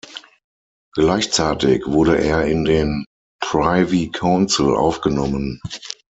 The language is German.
Gleichzeitig wurde er in den Privy Council aufgenommen.